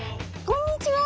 「こんにちは」。